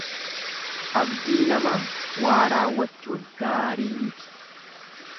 Abdii namaa waa raawwachuun gaarii miti.